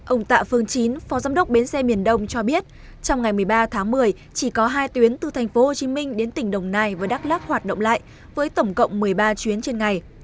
ông tạ phương chín phó giám đốc bến xe miền đông cho biết trong ngày một mươi ba tháng một mươi chỉ có hai tuyến từ tp hcm đến tỉnh đồng nai và đắk lắc hoạt động lại với tổng cộng một mươi ba chuyến trên ngày